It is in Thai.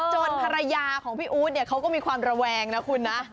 ภรรยาของพี่อู๊ดเนี่ยเขาก็มีความระแวงนะคุณนะ